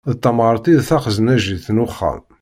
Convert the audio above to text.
D tamɣart i d taxeznaǧit n uxxam.